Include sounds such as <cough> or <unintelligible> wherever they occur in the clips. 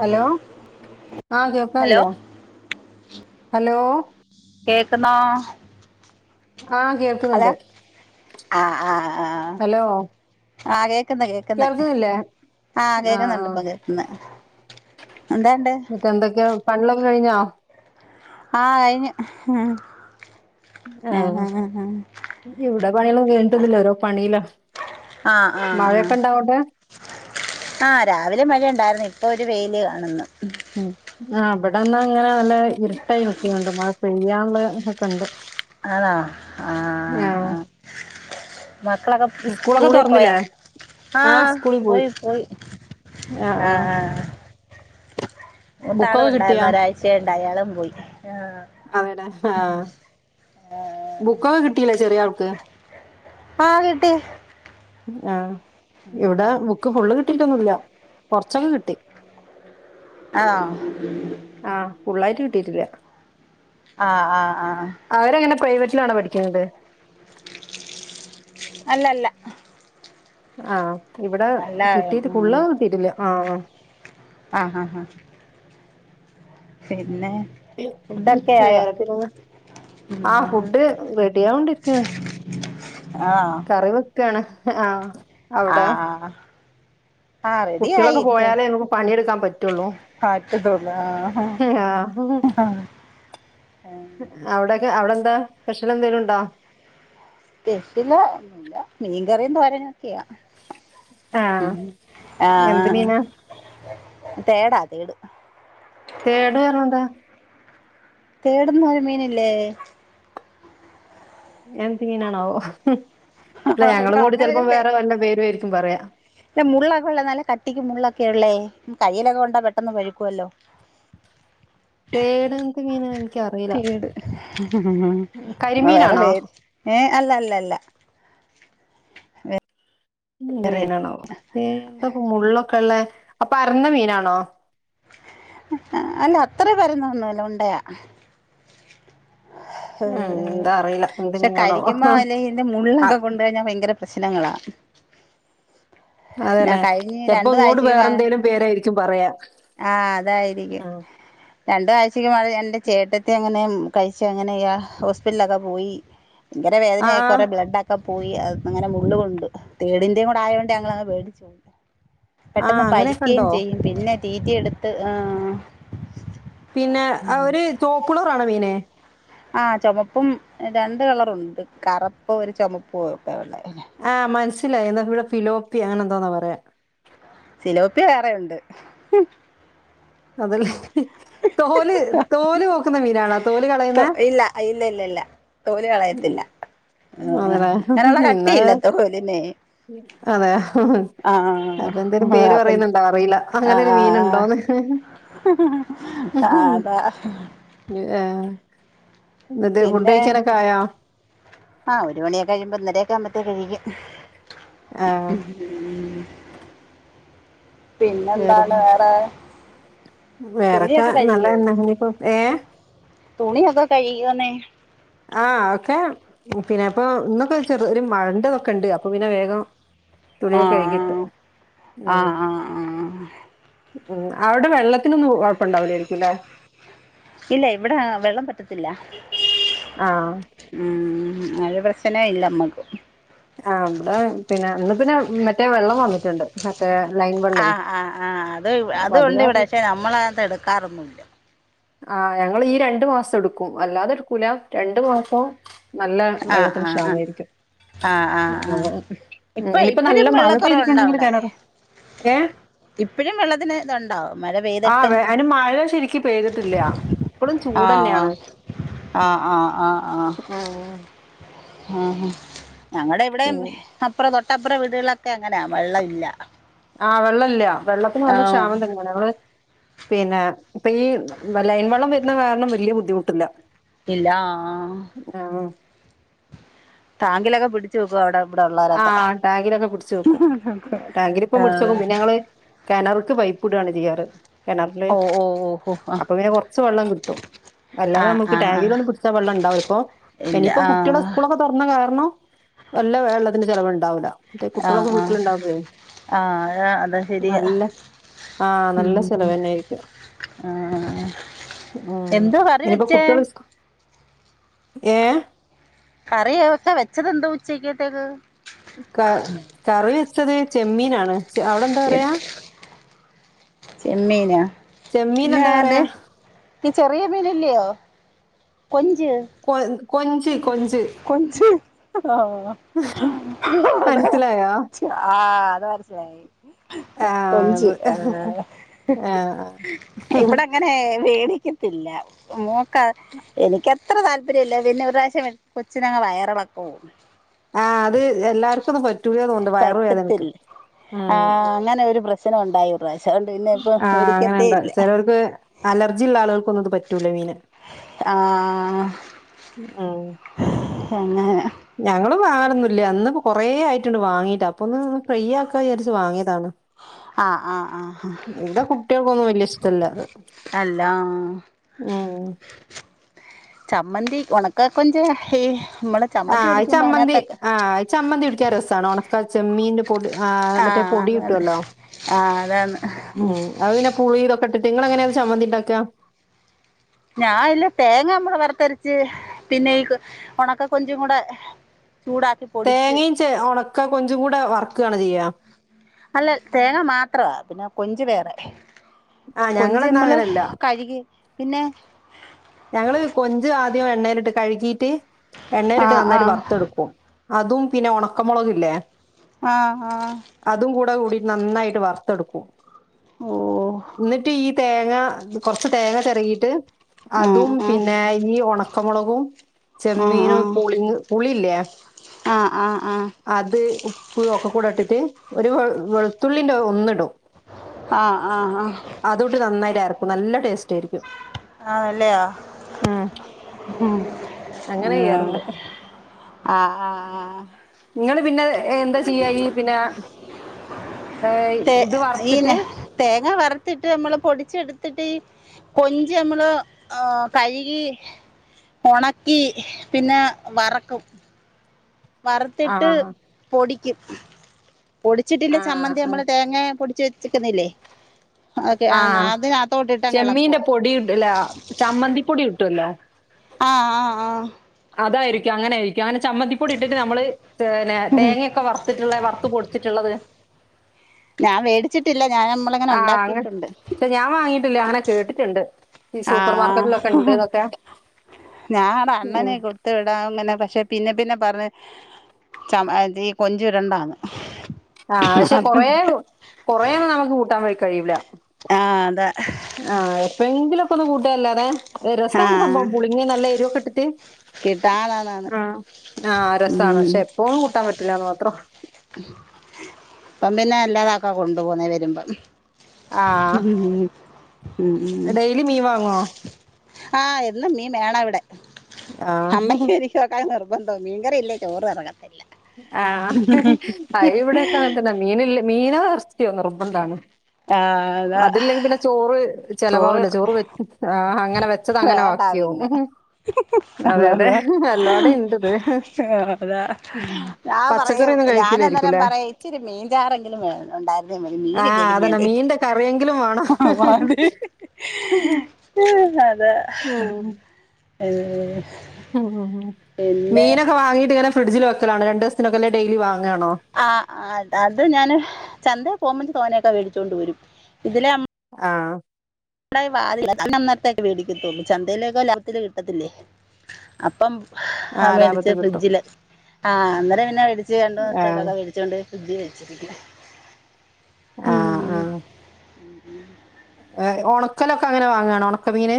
Hello ആ hello കേക്കാനില്ലാ hello കേക്കുന്നോ? ആ ഹലോ കേക്കുന്നുണ്ട് ആ ആ ആ ഹലോ ആ കേ ക്കുന്ന് കേക്കുന്നു കേൾക്കുന്നില്ലേ ആ കേക്കുന്നുണ്ടി പ്പ കേക്കുന്ന്. മറ്റേ എന്തൊക്കെയാ പണികളൊക്കെ കഴിഞ്ഞോ? ആ കഴിഞ്ഞ്. ആ ഇവിടെ പണിയളൊന്നും കഴിഞ്ഞിട്ടൊന്നില്ല ഓരോ പണിയിലാ. ആ ആ ആ മഴയൊക്കെ ഉണ്ടോ അങ്ങോട്ട് ആ രാവിലെ മഴയു ണ്ടായിരുന്നു ഇപ്പോ ഒരു വെയില് കാണുന്നു. ഉം ആ ഇവിടെന്ന് ങ്ങനെ നല്ല ഇരുട്ടായി നിക്കുന്നുണ്ട് മഴ പെയ്യാനുള്ള ഇതൊക്കെ ണ്ട് ആണോ ആ മക്കളൊക്കെ സ്കൂളൊക്കെ സ്കൂളി പോയ തുറന്നില്ലേ ആ പോയി പോയി ആ മൂത്തെ ആളും ബുക്കൊക്കെ കിട്ടിയാ ഉണ്ടായിരുന്നു ഒരാഴ്ചയായിട്ട് ട്ട് അയാളും പോയി ആ അതെല്ലേ ആ ആ ബുക്കൊക്കെ കിട്ടിയില്ലേ ചെറിയ ആൾക്ക് ങാ കിട്ടി ആ ഇവിടെ ബുക്ക് ഫുള്ള് കിട്ടി ന്നുവില്ല കൊറച്ചക്കെ കിട്ടി ങാ ങാ ഫുള്ളായിട്ട് കിട്ടീട്ടില്ല ങാ ങാ ങാ അവരെങ്ങനെ പ്രൈവറ്റിലാണോ പഠിക്കുന്നത് അല്ലല്ല ആ ഇവിടെ നല്ല കിട്ടീട്ട് ഉം ഫുള്ള് കിട്ടീട്ടില്ല ങാ ആ ആഹ് ആഹ് ആഹ് <unintelligible> ഫുഡൊക്കെ ആയോ <unintelligible> ഉം ആ ഫുഡ് റെഡി ആവോണ്ടിരിക്ക് ണ് കറി വെക്കാണ് ആ ആ ആ ആ റെഡി ആയി കുട്ടികളൊക്കെ പോയാലേ നമുക്ക് പണിയെടുക്കാൻ പറ്റുള്ളൂ <unintelligible> ആ അവിടക്കെ അവിടെ എന്താ സ്പെഷ്യൽ എന്തെങ്കിലും ഉണ്ടോ സ്പെഷ്യല് ഇല്ല മീൻകറിം തൊരനൊക്കെയാ ഉ ആഹ് ങാ എന്ത് ങാ മീനാ തേടാ തേട് തേട് പറഞ്ഞെന്താ കേടന്നു പോയ മീനില്ലേ എന്ത് മീനിണാവോ ആ അവിടെ അങ്ങനെ ഒരു പേരുവായിരിക്കും പറയാ മുള്ളൊക്കെ ഒള്ള നല്ല കട്ടിക്ക് മുള്ളൊക്കെ ഒള്ളെ കയ്യിലൊക്കെ കൊണ്ടാ പെട്ടെന്ന് പഴുക്കുവല്ലോ തേട് എന്ത് മീനാ എനിക്കറിയില്ല തേട് എന്നാ വേറെ കരിമീനാണോ പേര് ഏ അല്ല ല്ല അല്ല വേ എന്ത് മീനാണോ എന്തൊക്ക മുള്ളൊക്കെ ഉള്ളേ അപ്പരന്ന മീനാണോ അല്ല അത്ര പരന്നതൊന്നുല്ല ഉണ്ടയാ ഉം എന്താ അറിയില്ല എന്ത് പക്ഷെ മീനാണാവോ കഴിക്കുമ്പോ അല്ലേ ഇന്റെ അ മുള്ളൊക്കെ കൊണ്ട്കഴിഞ്ഞാൽ ഭയങ്കര പ്രശ്നങ്ങളാ ഞാൻ അതേല്ലേ കഴിഞ്ഞ് ചെപ്പോ രണ്ടു ഇങ്ങോട്ട് ആഴ്ചക്ക് വാങ്ങ വേറെന്തേലും പേരായിരിക്കും പറയാ ഉം രണ്ടാഴ്ചയ്ക്കുമ്പ എൻ്റെ ചേട്ടത്തി അങ്ങനെ കഴിച്ച് അങ്ങനെ ഹോസ്പിറ്റലിലൊക്കെ പോയി ഭയങ്കര ആ വേദനയാ ആ കൊറെ ബ്ലെഡൊക്കെ പോയി അത് അങ്ങനെ മുള്ള് കൊണ്ട് തേടിൻ്റെയും കൂടെ ആയോണ്ട് ഞങ്ങളങ്ങ് പേ ടിച്ചോയി ആ പെട്ടെന്ന് അങ്ങനെയൊക്കെ പഴുക്കയും ഉണ്ടോ ചെയ്യും പിന്നെ ട്ടീ റ്റി എടുത്ത് ആഹ് പിന്നെ ഒരു ചോപ്പുളുറാണോ മീന് ആ ചുമപ്പും രണ്ട് കളറുണ്ട് കറപ്പ് ഒരു ചുമപ്പു ഒക്കെയുള്ളെ ആ മൻസ് ലായി. എന്നാ ഇവിടെ ഫിലോപ്പി അങ്ങനെന്തോന്നാ പറയാ. സിലോപ്പി വേറെ ഉണ്ട്. അതല്ലേ തോല് തോല് പോക്കുന്ന മീനാണോ തോല് തൊ കളയുന്നെ? ഇല്ല ഇല്ല ഇല്ല ഇല്ല തോല് കളയത്തില്ല ആഹ് ആഹ് അതേലെ അങ്ങനെയുള്ള ഇന്നാ കട്ടിയില്ല തോലിനെ അതെ ആഹ് അതെന്തേലും ആഹ് പേര് പറയുന്നുണ്ടാവും അറീല്ല അങ്ങനെ ഒരു ആഹ് മീനുണ്ടോന്ന്. അതാ <unintelligible> എന്നിട്ട് ഫുഡ് പിന്നെ കഴിക്കാനൊക്കെ ആയോ ആ ഒരു മണിയൊക്കെ കഴിയുമ്പോ ഒന്നരയൊക്കെ ആകുമ്പത്തേ കഴിക്കും. <inaudible> ആ <unintelligible> പിന്നെന്താണ് വേറെന്ത്‌ വേറെ വേറെക്കെ തുണിയൊക്കെ നല്ലേന്നെ ഇനിപ്പോ ഏ തുണി ഒക്കെ കഴുകിയോന്നെ? ആ ക്കെ പിന്നെ ഇപ്പം ഇന്നൊക്കെ ചെറു ഒരു മഴൻ്റെതൊക്കെ ഉണ്ട് അപ്പൊ പിന്നെ വേഗം ആ തുണിയൊക്കെ കഴുകിട്ട് ആ ഉം ആ ആ ആ ഉം അവിടെ വെള്ളത്തിനൊന്നും കുഴപ്പണ്ടാവൂലാരിക്കും ല്ലേ? ഇല്ല ഇവിടെ വെള്ളം പറ്റത്തില്ല. ആ ആ ഒരു പ്രശ്ന ഇല്ല മ്മക്ക്. ആ ഇവിടെ പിന്നെ ഇന്ന് പിന്നെ മറ്റേ വെള്ളം വന്നിട്ടുണ്ട്. മറ്റേ ലൈൻ വെള്ളേ. ആഹ് ആഹ് ആഹ് അത് അപ്പൊ അതും അത് ഉണ്ട് ഇവിടെ കാര് പക്ഷെ നമ്മളത് എടുക്കാറൊന്നുമില്ല ആഹ് ഞങ്ങള് ഈ രണ്ടു മാസം എടുക്കും. അല്ലാതെ എടുക്കൂല. രണ്ടു മാസം നല്ല ആഹ് വെള്ളത്തിന് ആഹ് ആഹ് ക്ഷാമേരിക്കും. ആഹ് ആഹ് ആഹ് ഇപ്പൊ ഇനിയിപ്പോ നല്ല ഇപ്പഴും മഴ വെള്ളക്കുറവുണ്ടോ പെയ്തിട്ടുണ്ടെങ്കിൽ അവിടെ കെണറും ഏ ഇപ്പഴും വെള്ളത്തിന് ഇതുണ്ടോ മഴ ആ അയ്ന് മഴ ശരിക്ക് പെയ് ആ ആ ആ ആ ആ ആഹാ ഞങ്ങടെ ഇവിടേം ഉം അപ്പുറ തൊട്ട ട്ടപ്ര വീടുകളൊക്കെ അങ്ങനാ വെള്ളം ഇല്ല. ആ വെള്ളെല്ല വെള്ളത്തിന് നല്ല ആഹ് ക്ഷാമം തന്നെയാണ്. ഞങ്ങള് പിന്നെ ഇപ്പ ഈ ലൈൻ വള്ളം വരുന്ന കാരണം വലിയ ബുദ്ധിമുട്ടില്ല. ഇല്ലാ ആ ആഹ് ടാങ്കിലൊക്കെ പിടിച്ചു വെക്കും അവിടെ ഇവിടെ ഉള്ളവരൊക്കെ ആഹ് ടാങ്കിലൊക്കെ പിടിച്ച് വെയ്ക്കും. ടാങ്കിലിപ്പം പിടിച്ചെക്കും ആഹ് പിന്നെ ഞങ്ങള് കിണറുക്ക് പൈപ്പ് ഇടുകയാണ് ചെയ്യാറ്. കിണറില് ഓ ഓ ഓ ഓ ആഹ് അപ്പൊ പിന്നെ കുറച്ച് വെള്ളം കിട്ടും അല്ലാതെ ആഹ് നമുക്ക് ആഹ് ആഹ് ടാങ്കീന്നൊന്നും പിടിച്ചാൽ വെള്ളം ഉണ്ടാവില്ല. ഇപ്പൊ ഇല്ല ഇനിയിപ്പോ കുട്ടീടെ ആഹ് സ്കൂളൊക്കെ തുറന്ന കാരണം വെല്ല വെള്ള അതിന് ചെലവുണ്ടാവില്ല. മറ്റേ ആഹ് കുട്ടികളൊക്കെ ആഹ് വീട്ടിലുണ്ടാവുമ്പോഴേ ആഹ് അതാ അതാ ശരിയാ നല്ല ആഹ് ഉം നല്ല ഉം ചെലവ് തന്നെയായിരിക്കും ആ എന്തുവാ കറി വെച്ചേ? ഏ കറിയ ഒക്കെ വെച്ചതെന്ത് ഉച്ചക്കത്തേക്ക്? ക കറി വെച്ചത് ചെമ്മീനാണ്. ചെ അവിടെ എന്താ ചെ പറയാ? ചെമ്മീനാ.. ചെമ്മീൻ എന്താ പറയാ? ഇത് ചെറിയ മീനല്ലിയോ.. കൊഞ്ച് കൊ കൊഞ്ച് കൊഞ്ച് കൊഞ്ച് ആ <unintelligible> മനസ്സിലായോ അത് മനസിലായി ആ കൊഞ്ച് അത് ആ ഇവിടെ അങ്ങനെ <unintelligible> ത്തില്ല എനിക്ക് അത്ര താല്പര്യമില്ല പിന്നെ ഒരു പ്രാവശ്യം കൊച്ചിനങ്ങ് വയറിളക്കോം ആ അത് എല്ലാവർക്കും ഒന്നും പറ്റൂല തോന്നുന്നുണ്ട് പറ്റത്തിൽ വയറുവേദനക്ക് ആ അങ്ങനെ ഒരു പ്രശ്നമുണ്ട്. <unintelligible> ആഹ് അങ്ങനുണ്ട് ചിലവർക്ക് അലർജി ഉള്ള ആളുകൾക്ക് ഒന്നും ഇത് പ കിട്ടൂല്ലേ മീന് ആഹ് പിന്നെ ഞങ്ങളും വാങ്ങലൊന്നുമില്ല അന്ന് കൊറേ ആയിട്ടുണ്ട് വാങ്ങീട്ട് അപ്പൊ ഒന്ന് ഫ്രൈ ആക്കാന്ന് വിചാരിച്ചു വാങ്ങിയതാണ്. ആഹ് ആഹ് ആഹ് ഇവിടെ കുട്ടികൾക്കൊന്നും വലിയ ഇഷ്ടല്ല അത് അല്ല ഉം ചമ്മന്തി ഉണക്ക കൊഞ്ച് ഈ നമ്മള് ചമ്മന്തി ആഹ് പൊടിക്കുമ്പോ ചമ്മന്തി അതിനകത്തൊക്കെ ആഹ് ചമ്മന്തി ഇടിക്കാൻ രസാണോ ഒണ ക്കചെമ്മീന്റെ പൊടി ആ മറ്റേ ആഹ് പൊടി അതാണ് കിട്ടുവല്ലോ ആഹ് അതാണ് ഉം അത് പിന്നെ പുളി ഇതൊക്കെ ഇട്ട് നിങ്ങള് എങ്ങനെയാണ് ചമ്മന്തി ഉണ്ടാക്കാ ഞാൻ ഇല്ല തേങ്ങ നമ്മള് വറത്തരച്ച് പിന്നെ ഈ ഉണക്ക കൊഞ്ചും കൂടെ ചൂടാക്കി പൊടിച്ച് തേങ്ങയും ചെ ഉണക്ക കൊഞ്ച്ചും കൂടെ വർക്കുവാണ് ചെയ്യാ അല്ല തേങ്ങ മാത്രവാ പിന്നെ കൊഞ്ച് വേറെ ആഹ് കൊഞ്ച് ഞങ്ങളെന്നാ മ്മള് അങ്ങനെയല്ല കഴുകി പിന്നെ ഞങ്ങള് കൊഞ്ച് ആദ്യം എണ്ണയിലിട്ട് കഴുകി പി എണ്ണയിലിട്ട് ആഹ് നന്നായിട്ട് ആഹ് വറുത്ത് എടുക്കും അതും പിന്നെ ഉണക്കമുളകില്ലേ ആഹ് ആ കൂടിട്ട് നന്നായിട്ട് വറത്തെടുക്കും ഓഹ് എന്നിട്ട് ഈ തേങ്ങ കൊറച്ച് തേങ്ങ ചെരകിട്ട് ട്ട് അതും ആഹ് പിന്നെ ഈ ഉണക്കമുളകും ആഹ് ചെമ്മീനും പുളി പുളില്ലേ ആഹ് ആഹ് അത് പൂവ ഒക്കെ കൂടെ ഇട്ടിട്ട് ഒരു വെളുത്തുള്ളിന്റെ ഒന്നിടും ആഹ് ആഹ് ആഹ് അതൂട്ട് നന്നായിട്ട് അരക്കും നല്ല ടേസ്റ്റാരിക്കും ആ അല്ലയോ അങ്ങനെ ചെയ്യാറുണ്ട് ആ ആ ആഹ് നിങ്ങള് പിന്നെ എന്താ ചെയ്യാ ഈ പിന്നെ ഏഹ് തെ ഇത് ഈന വറുത്തിട്ട് തേങ്ങ വറുത്തിട്ട് നമ്മള് പൊടിച്ചെടുത്തിട്ട് ഈ കൊ നമ്മള് കഴുകി ഒണക്കി പിന്നെ വറക്കും വറത്തിട്ട് ആഹ് പൊടി കും പൊടിച്ചിട്ടില്ല ആഹ് ചമ്മന്തി ആഹ് നമ്മള് തേങ്ങല്ലാം പൊ ച്ച് വച്ചിക്കുന്നില്ലേ ആഹ് എളക്കുവോ ചെമ്മീന്റെ പൊടിട്ടുല്ല ചമ്മന്തി പൊടി കിട്ടുവല്ലോ ആഹ് ആഹ് ആഹ് അതായിരിക്കും അങ്ങനെയിരിക്കും അങ്ങനെ ചമ്മന്തിപ്പൊടി ഇട്ടിട്ട് നമ്മള്ന്നെ തേങ്ങയൊക്കെ വറത്തിട്ടുള്ള വറുത്ത് പൊടിച്ചിട്ടുള്ളത് ഞാൻ വേടിച്ചിട്ടില്ല ഞാൻ മ്മളങ്ങനെ ആഹ് അങ്ങ ഒണ്ടാക്കിട്ടുണ്ട് പക്ഷെ ഞാൻ വാങ്ങിയിട്ടില്ല അങ്ങനെ കേട്ടിട്ടുണ്ട് ഈ സൂപ്പർ മാർക്കറ്റിലൊക്കെ ആഹ് ഇണ്ട്ന്നൊക്കെ ഞാടാ ഉം അണ്ണനെ കൊട്ത്തുവിടാം ങ്ങനെ പക്ഷെ പിന്നെ പിന്നെ പറ <unintelligible> കൊഞ്ച് ഇടണ്ടാന്ന് ആഹ് ക്ഷെ കൊറേന്നും കൊറേന്നും നമുക്ക് കൂട്ടാൻ വെക് കഴിയൂല ആ അതെ ആഹ് എപ്പഴങ്കിലൊക്കെ ഒന്ന് കൂട്ടല്ലാതെ രസ്സാണ് ആഹ് സംഭോം പുളിങ്ങ നല്ല എരിവൊക്കെ ഇട്ടിട്ട് കിട്ടാതാന്നാണ് ആ ആ ആഹ് രസ്സാണ് ഉം പക്ഷെ എപ്പോഴും കൂട്ടാൻ പറ്റുലാന്നു പറ <unintelligible> <unintelligible> കൊണ്ടു പോന്നേ വരുമ്പം <unintelligible> ഡെയ്ലി മീൻ വാങ്ങോ ആഹ് എന്നും മീൻ വേണം ഇവിടെ അമ്മയ്ക്ക് ആഹ് എനിക്കോഒക്കെ അത് നിർ <unintelligible> മീൻകറി ഇല്ലേ ചോറും എറങ്ങത്തില്ല ആഹ് ആ ഇവിടേക്കെ അങ്ങനെ തന്നാ മീനില്ലേ മീനോ എറച്ചിയോ നിർബന്താണ് ആഹ് അതാ അതില്ലെങ്കി പിന്നെ ചോറ് ചെലവാവൂല ചോറ് വെ ആ അങ്ങനെ വെച്ചത് അങ്ങനെ വേണ്ട വാക്കിയാവും പിന്നെ മ്ഹ് അതെ അതെ അതാ എല്ലാടെ ഇണ്ട്ത് ആഹ് അതാ ഞാൻ പറയും പച്ചക്കറിയൊന്നും കഴിക്കൂലായിരിക്കുംല്ലേ ഞാനന്നേരം പറയും ഇച്ചിരി മീൻചാറെങ്കിലും വേ ഉണ്ടായിരുന്നേ ആ മീനില്ലെങ്കിലും അതന്നെ വേ മീനിന്റെ കറിയെങ്കിലും വേണം അതെ <unintelligible> മ് ഹ് ഹ് <unintelligible> പിന്നെ മീനൊക്കെ വാങ്ങിട്ടിങ്ങനെ ഫ്രിഡ്ജില്‌ വെക്കലാണ് രണ്ടീസ ത്തിനൊക്കെ ഉള്ള ഡെയിലി വാ ആ അത അത് ഞാന് ചന്തേ പോവുമ്പച്ചി തോനേക്കെ വേടിച്ചോണ്ട് വരും ഇതിലെ അം ആഹ് <unintelligible> അതിനു അന്നത്തേക്ക് വേടിക്കത്തൊള്ളൂ ചന്തയിലൊക്കെ ലാഭത്തില് കിട്ടത്തില്ലേ അപ്പം ആ അഹ് ലാഭത്ത് മേടിച്ച് കിട്ടും ഫ്രിഡ്ജില് ആഹ് അന്നേരം പിന്നെ മേടിച്ച് രണ്ടു ആ <unintelligible> മേടിച്ചോണ്ട് ഫ്രിഡ്ജിൽ വെച്ചിരിക്കുവാ ആഹ് ആഹ് <unintelligible> ഒണക്കലൊക്കെ അങ്ങനെ വാങ്ങാണോ ഒണക്കമീന്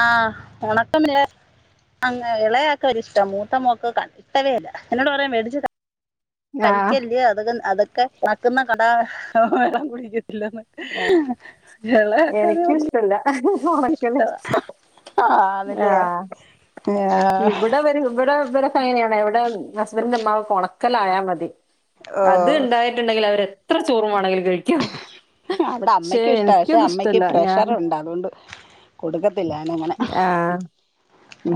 ആഹ് ഒണക്ക <unintelligible> അങ് എളയാക്ക് വല്യഷ്ട മൂത്ത മോക്ക് ക ഇഷ്ട്ടവേ അല്ല എന്നോട് പറയും വേടിച്ചു ത ആ കഴിക്കല്ല് <unintelligible> അതൊ <unintelligible> ക്കെ നക്കുന്ന കട വെള്ളം കുടിക്ക <unintelligible> എ ളേയാക്കത് വല്യ ഒണക്കല് ആണല്ലേ ആഹ് ആഹ് ഇവ്ട വരും ഇവ്ടേം വ്ടൊക്കെങ്ങനയാണ് ഇവ്ടെ ഹസ്ബന്റിന്റെ ഉമ്മാകൊക്കെ ഒണക്കലായ മതി അത് ഓഹ് ഇണ്ടായിട്ട്ണ്ടെങ്കിലവര് എത്ര ചോറവാണെങ്കിലും കഴി അവ്ടെ അമ്മയ്ക്കും ഇഷ്ട പഷേ എനിക്കത് അമ്മയ്ക്ക് ഇഷ്ടമല്ല ഞാൻ പ്രഷറുണ്ട് അതു കൊണ്ട് കൊടുക്കത്തില്ലാന്നങ്ങനെ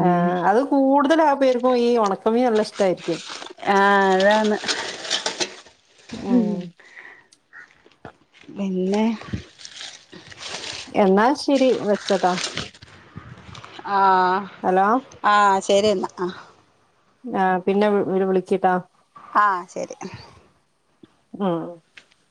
ആ അത് കൂടുതലാ പേർക്കും ഈ ഒണക്കല് അമി നല്ല ഇഷ്ട്ടായിരിക്കും ആഹ് അതാണ് ഉം പിന്നെ എന്നാ ശരി വെചൊട്ടാ <inaudible> ആഹ് ആ <unintelligible> ചേരേയിന്ന ആഹ് പിന്നെ വു <unintelligible> വിളിക്കിട്ടാ ആഹ് ശരി <unintelligible>